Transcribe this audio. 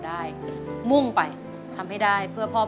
หยุดครับหยุดครับ